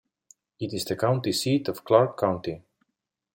It is the county seat of Clark County.